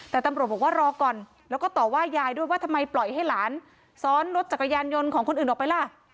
ต่อว่าว่ายายด้วยว่าทำไมปล่อยให้หลานซ้อนรถจักรยานยนต์ของคนอื่นออกไปละ